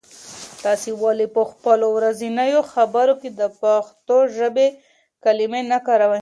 تاسې ولې په خپلو ورځنیو خبرو کې د پښتو ژبې کلمې نه کاروئ؟